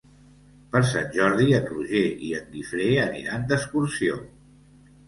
Per Sant Jordi en Roger i en Guifré aniran d'excursió.